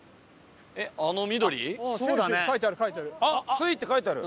「翠」って書いてある。